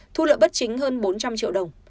thu lợi bất chính hơn bốn trăm linh triệu đồng